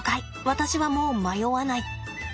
私はもう迷わない。